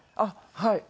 はい。